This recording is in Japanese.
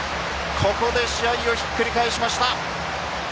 ここで試合をひっくり返しました。